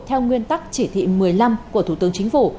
theo nguyên tắc chỉ thị một mươi năm của thủ tướng chính phủ